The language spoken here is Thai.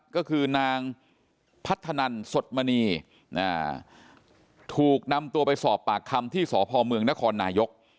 ก็คือนางพัฒนันสดมณีถูกนำตัวไปสอบปากคำที่สพเมืองนครนายก